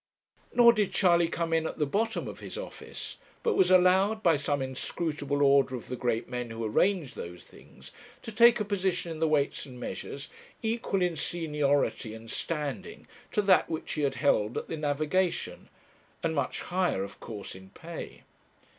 Nor did Charley come in at the bottom of his office, but was allowed, by some inscrutable order of the great men who arranged those things, to take a position in the Weights and Measures equal in seniority and standing to that which he had held at the Navigation, and much higher, of course, in pay.